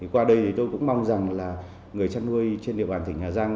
qua đây tôi cũng mong rằng là người chăn nuôi trên địa bàn thỉnh hà giang